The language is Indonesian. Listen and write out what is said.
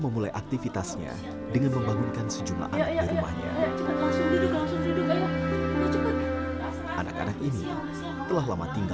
alhamdulillah ya tuhan anak anak ini bagai kami tiada